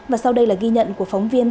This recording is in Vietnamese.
và sau đây là ghi nhận của phóng viên